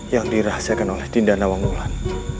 yang dirahasiakan oleh dinda nawamulan